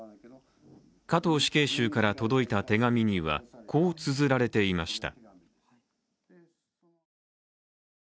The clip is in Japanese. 加藤死刑囚から届いた手紙にはこう綴られていました。